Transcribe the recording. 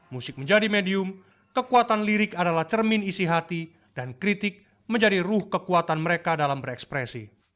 musik menjadi medium kekuatan lirik adalah cermin isi hati dan kritik menjadi ruh kekuatan mereka dalam berekspresi